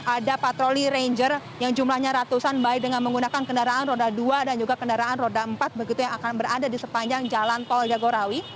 ada patroli ranger yang jumlahnya ratusan baik dengan menggunakan kendaraan roda dua dan juga kendaraan roda empat begitu yang akan berada di sepanjang jalan tol jagorawi